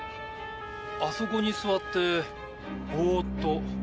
あそこに座ってぼーっと。